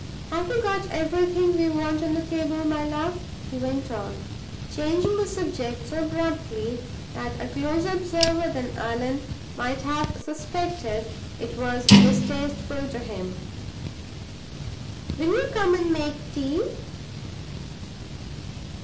Have we got everything we want on the table, my love?" he went on, changing the subject so abruptly that a closer observer than Allan might have suspected it was distasteful to him. "Will you come and make tea?"